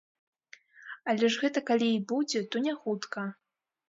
Але ж гэта калі і будзе, то не хутка.